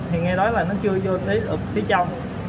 thì nghe nói là nó chưa vô tới lực phía trong